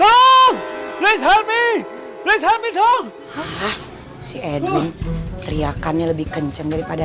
oh oh oh oh please help me please help me dong hah si edwin teriakannya lebih kenceng daripada